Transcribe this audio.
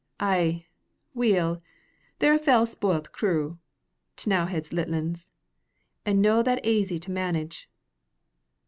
Ay, weel, they're a fell spoilt crew, T'nowhead's litlins, an' no that aisy to manage.